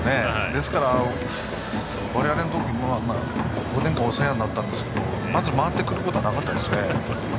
ですから私も５年間お世話になったんですがまず回ってくることはなかったですね。